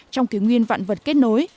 trong kế nguyên vạn vật kết nối